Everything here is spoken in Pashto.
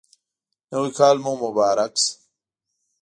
نوی کال مو مبارک شه